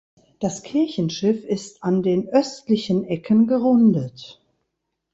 Das Kirchenschiff ist an den östlichen Ecken gerundet.